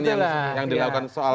yang dilakukan soal